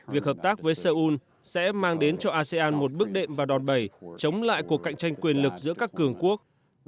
việc hợp tác với seoul sẽ mang đến cho asean một bước đệm và đòn bẩy chống lại cuộc cạnh tranh quyền lực giữa các cường quốc